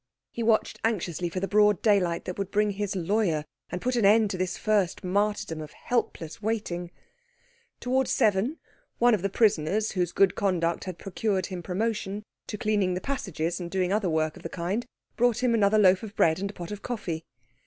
He watched anxiously for the broad daylight that would bring his lawyer and put an end to this first martyrdom of helpless waiting. Towards seven, one of the prisoners, whose good conduct had procured him promotion to cleaning the passages and doing other work of the kind, brought him another loaf of bread and a pot of coffee.